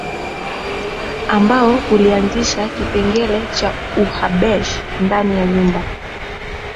ambao ulianzisha Kipengele cha Uhabeshi ndani ya nyumba